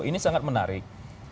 ini sangat menarik